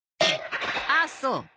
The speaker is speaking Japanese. あっそう。